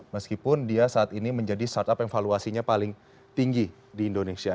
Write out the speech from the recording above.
meskipun dia saat ini menjadi startup yang valuasinya paling tinggi di indonesia